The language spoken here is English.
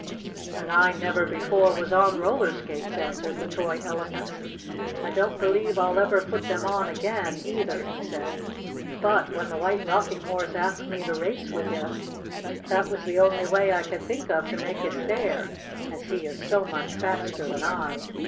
"And I never before was on roller skates," answered the toy Elephant. "I don't believe I'll ever put them on again, either," he said. "But when the White Rocking Horse asked me to race with him, that was the only way I could think of to make it fair, as he is so much faster than I.